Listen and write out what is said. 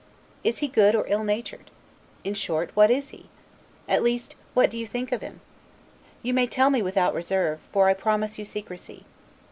Is he good or ill natured? In short, What is he? at least, what do you think him? You may tell me without reserve, for I promise you secrecy.